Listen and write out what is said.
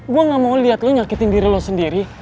gue gak mau lihat lo nyakitin diri lo sendiri